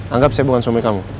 anggap saya bukan suami kamu